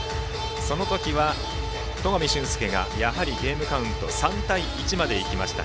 その時は戸上隼輔がやはりゲームカウント３対１までいきました。